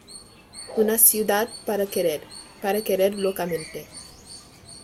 Una ciudad para querer, para querer locamente.